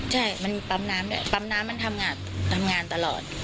หมายถึงคอมแมนใช่มันมีปั๊มน้ำด้วยปั๊มน้ำมันทำงานตลอด